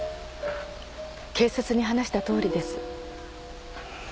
警察に話したとおりです。